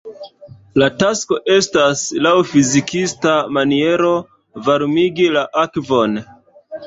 La tasko estas, laŭ fizikista maniero varmigi la akvon.